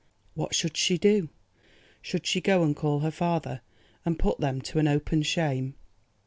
What should see do? Should she go and call her father and put them to an open shame?